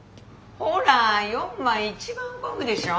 ほら４番一番込むでしょ？